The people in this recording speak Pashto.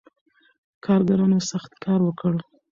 کارګرانو سخت کار وکړ.